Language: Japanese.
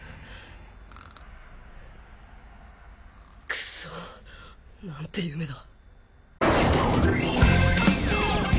クソっ何て夢だ。